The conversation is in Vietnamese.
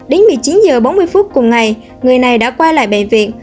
đến một mươi chín h bốn mươi phút cùng ngày người này đã qua lại bệnh viện